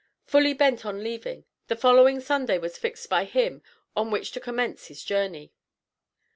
Fully bent on leaving, the following Sunday was fixed by him on which to commence his journey.